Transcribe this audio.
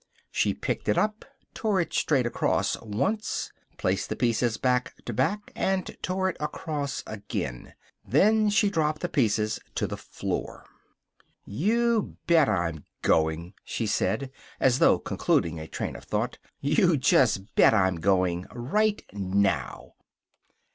She picked it up, tore it straight across, once, placed the pieces back to back, and tore it across again. Then she dropped the pieces to the floor. "You bet I'm going," she said, as though concluding a train of thought. "You just bet I'm going. Right now!"